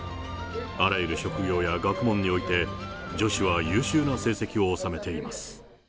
あらゆる職業や仕事において、女子は優秀な成績を収めています。